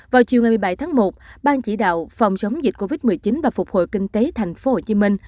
vào chiều ngày một mươi bảy tháng một bang chỉ đạo phòng chống dịch covid một mươi chín và phục hồi kinh tế thành phố hồ chí minh